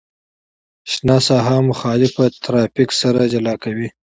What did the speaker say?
شنه ساحه مخالف ترافیک سره جلا کوي